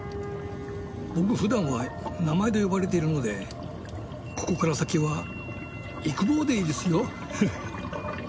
僕ふだんは名前で呼ばれているのでここから先は「いくぼう」でいいですよ。